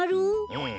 うん。